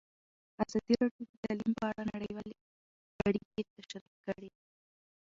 ازادي راډیو د تعلیم په اړه نړیوالې اړیکې تشریح کړي.